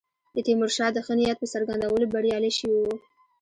د تیمورشاه د ښه نیت په څرګندولو بریالي شوي وو.